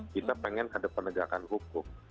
kita pengen ada penegakan hukum